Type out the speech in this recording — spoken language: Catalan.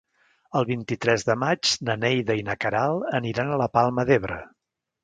El vint-i-tres de maig na Neida i na Queralt aniran a la Palma d'Ebre.